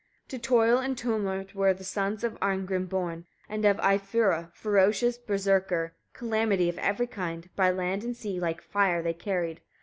24. To toil and tumult were the sons of Arngrim born, and of Eyfura: ferocious berserkir, calamity of every kind, by land and sea, like fire they carried.